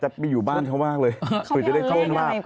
อยากจะไปอยู่บ้านเขามากเลยคือจะได้เข้าเรื่องกันมาก